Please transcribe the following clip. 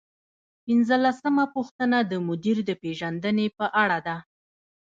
پنځلسمه پوښتنه د مدیر د پیژندنې په اړه ده.